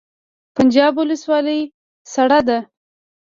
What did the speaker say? پنجاب ولسوالۍ سړه ده؟